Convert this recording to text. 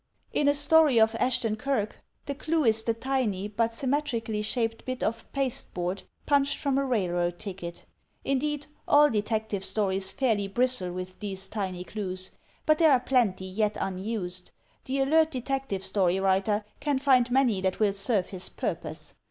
In a story of Ashton Kirk, the clue is the tiny, but sym metrically shaped bit of pasteboard punched from a railroad ticket. Indeed, all Detective Stories fairly bristle with these tiny clues. But there are plenty yet unused. The alert Detective Story writer can find many that will serve his pur pose.